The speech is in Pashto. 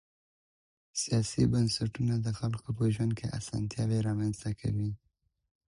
سياسي بنسټونه د خلګو په ژوند کي اسانتياوې رامنځته کوي.